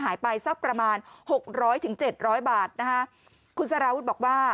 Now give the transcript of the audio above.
หายไปสักประมาณหกร้อยถึงเจ็ดร้อยบาทนะคะคุณสารวุฒิบอกว่า